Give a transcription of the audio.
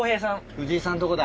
藤井さんとこだ。